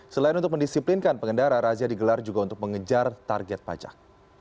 selain untuk mendisiplinkan pengendara razia digelar juga untuk mengejar target pajak